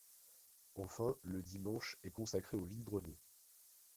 Enfin, le dimanche est consacré au vide-greniers.